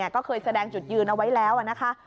ก็เคยแสดงจุดยืนเอาไว้แล้วนะคะ